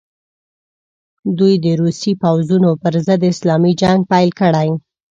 دوی د روسي پوځونو پر ضد اسلامي جنګ پیل کړي.